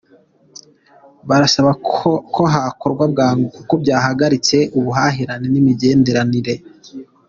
Barasaba ko wakorwa bwangu kuko byahagaritse ubuhahirane nimigenderanire.